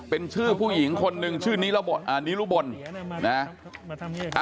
เป็นชื่อผู้หญิงคนหนึ่งชื่อนิรบนมาทำเงี้ย